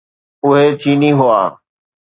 اهي چيني هئا.